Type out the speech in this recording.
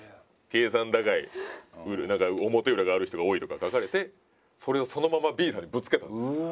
計算高い表裏がある人が多いとか書かれてそれをそのままＢさんにぶつけたうわ